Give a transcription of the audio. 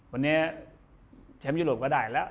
วันนี้แชมป์ยุโรปก็ได้แล้ว